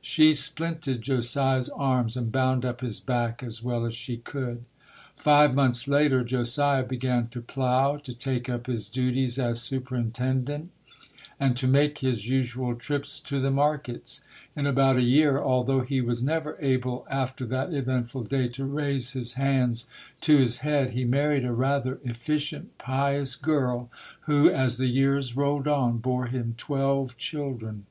She splinted Josiah's arms and bound up his back as well as she could. Five months later, Josiah began to plow, to take up his duties as superintendent, and to make his usual trips to the markets. In about a year, al though he was never able after that eventful day to raise his hands to his head, he married a rather efficient, pious girl who, as the years rolled on, bore him twelve children.